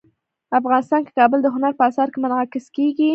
افغانستان کې کابل د هنر په اثار کې منعکس کېږي.